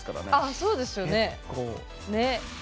あそうですよね。